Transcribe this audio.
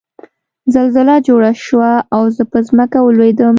زلزله جوړه شوه او زه په ځمکه ولوېدم